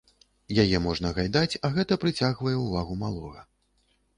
Яе можна гайдаць, а гэта прыцягвае ўвагу малога.